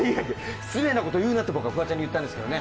失礼なこと言うなってフワちゃんに言ったんですけど。